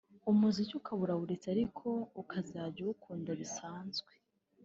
umuziki ukaba urawuretse ariko ukajya uwukunda bisanzwe